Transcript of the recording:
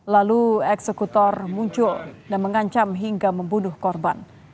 lalu eksekutor muncul dan mengancam hingga membunuh korban